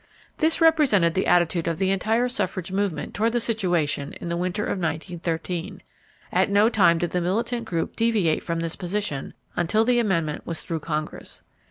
This represented the attitude of the entire suffrage movement toward the situation in the winter of 1913. At no time did the militant group deviate from this position until the amendment was through Congress.